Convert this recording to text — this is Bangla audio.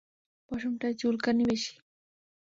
পশমটায় চুলকানি বেশি।